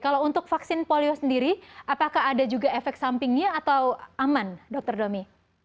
kalau untuk vaksin polio sendiri apakah ada juga efek sampingnya atau aman dokter domi